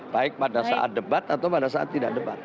baik pada saat debat atau pada saat tidak debat